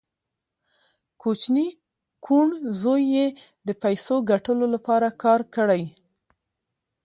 کوچني کوڼ زوی یې د پیسو ګټلو لپاره کار کړی